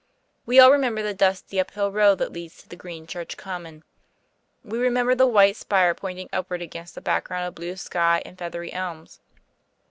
We all remember the dusty uphill road that leads to the green church common. We remember the white spire pointing upward against a background of blue sky and feathery elms.